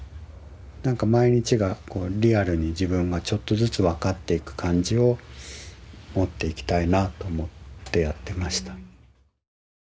なんか毎日がリアルに自分がちょっとずつ分かっていく感じをもっていきたいなと思ってやってました。